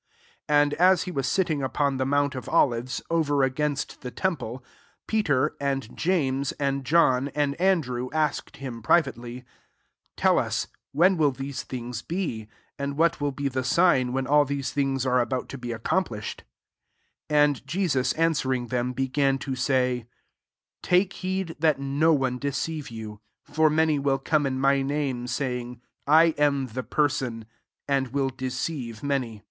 5 And as he was sitting^ upon the mount of Olives, over against the temple, Peter, and James, and John« and Andrew, asked him privately, 4 ^^«TeU us, when will these things be ? and what wiU be the sign, when all these things are about to be ac complished ? 5 And Jesus an swering them, began to My, << Take heed that no one deceive you : 6 For many will come in my name, saying, <I am ike fieraen ;' 2ayd will deceive many.